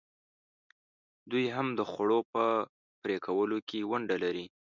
دوی هم د خوړو په پرې کولو کې ونډه لري.